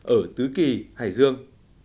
ở tứ kỳ hải dương